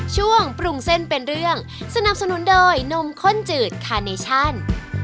ช่วงปรุงเส้นเป็นเรื่องสนับสนุนโดยนมข้นจืดคาเนชั่น